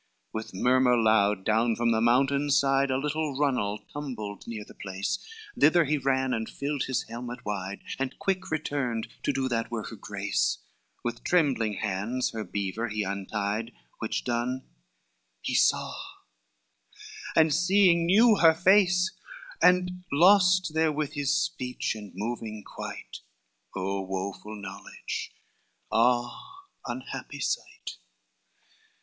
LXVII With murmur loud down from the mountain's side A little runnel tumbled near the place, Thither he ran and filled his helmet wide, And quick returned to do that work of grace, With trembling hands her beaver he untied, Which done he saw, and seeing, knew her face, And lost therewith his speech and moving quite, Oh woful knowledge, ah unhappy sight!